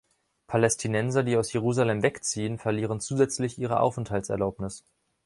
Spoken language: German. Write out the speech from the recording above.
Palästinenser, die aus Jerusalem wegziehen, verlieren zusätzlich ihre Aufenthaltserlaubnis.